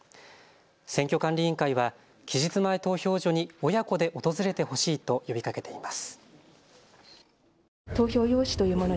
選挙管理委員会は期日前投票所に親子で訪れてほしいと呼びかけています。